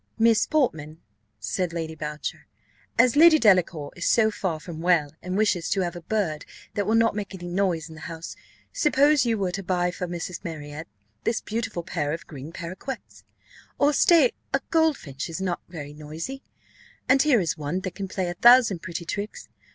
"Miss Portman," said Lady Boucher, "as Lady Delacour is so far from well, and wishes to have a bird that will not make any noise in the house, suppose you were to buy for Mrs. Marriott this beautiful pair of green parroquets; or, stay, a goldfinch is not very noisy, and here is one that can play a thousand pretty tricks.